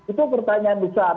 itu pertanyaan besar